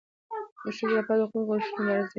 د ښځو لپاره د حقونو د غوښتلو مبارزې